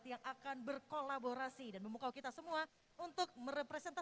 jadi semangat ya